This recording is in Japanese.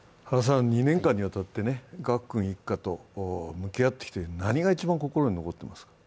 ２年間にわたって賀久君一家と向き合ってきて、何が一番心に残ってますか？